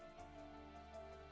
aku mau ke rumah